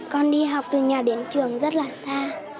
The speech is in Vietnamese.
con đi học từ nhà đến trường rất là xa